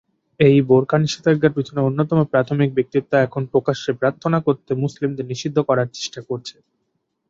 এই বোরকা নিষেধাজ্ঞার পিছনে অন্যতম প্রাথমিক ব্যক্তিত্ব এখন প্রকাশ্যে প্রার্থনা করতে মুসলিমদের নিষিদ্ধ করার চেষ্টা করছে।